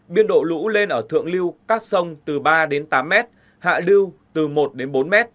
biên độ lũ lên ở thượng lưu các sông từ ba đến tám m hạ lưu từ một đến bốn m